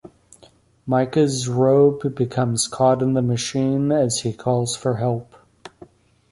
Micah's robe becomes caught in the machine, as he calls for help.